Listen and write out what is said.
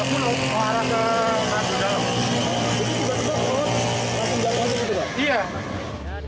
itu juga tebak loh